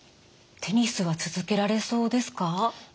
テニスは続けられそうですか？